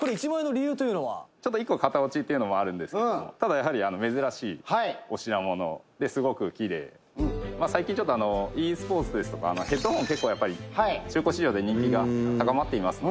「ちょっと１個型落ちっていうのもあるんですけどもただやはり珍しいお品物ですごくきれい」「最近ちょっとあのｅスポーツですとかヘッドホン結構やっぱり中古市場で人気が高まっていますので」